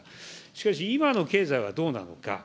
しかし、今の経済はどうなのか。